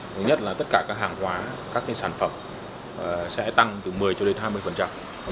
thứ nhất là tất cả các hàng hóa các sản phẩm sẽ tăng từ một mươi cho đến hai mươi